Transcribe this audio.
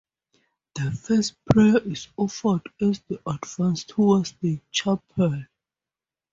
The first prayer is offered as they advance towards the chapel.